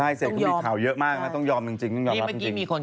ใช่เสร็จก็มีข่าวเยอะมากนะต้องยอมจริงต้องยอมรับจริง